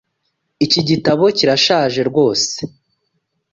Iki gitabo kirashaje rwose.